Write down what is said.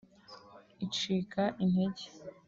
icika integer